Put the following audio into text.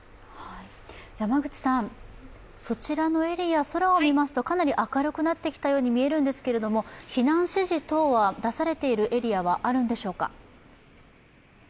そちらのエリア、空を見ますと、かなり明るくなってきたようにみえるんですけど、避難指示等が出されているエリアはあるんでしょうか。